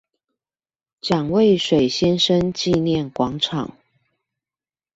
蔣渭水先生紀念廣場